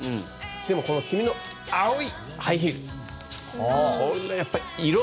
でもこの「君の青いハイヒール」これ、色！